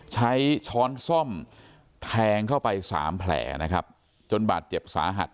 ช้อนซ่อมแทงเข้าไปสามแผลนะครับจนบาดเจ็บสาหัส